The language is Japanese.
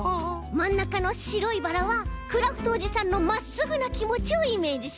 まんなかのしろいバラはクラフトおじさんのまっすぐなきもちをイメージしました。